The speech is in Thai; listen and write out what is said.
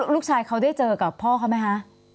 ลูกชายเขาได้เจอกับพ่อเขาไหมคะ